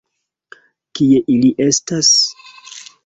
Kie ili estas?